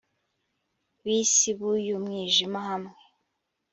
b'isi b'uyu mwijima hamwe